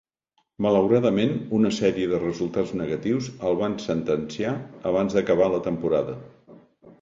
Malauradament una sèrie de resultats negatius el van sentenciar abans d'acabar la temporada.